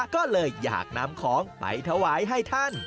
ก็เลยอยากนำของไปถวายให้ท่าน